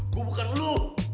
gue bukan lo